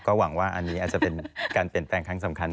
หวังว่าอันนี้อาจจะเป็นการเปลี่ยนแปลงครั้งสำคัญ